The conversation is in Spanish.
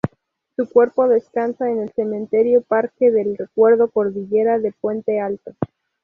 Su cuerpo descansa en el cementerio Parque del Recuerdo Cordillera de Puente Alto.